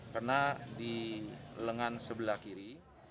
karena di lengan sebelah kiri